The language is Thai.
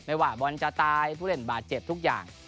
ว่าบอลจะตายผู้เล่นบาดเจ็บทุกอย่าง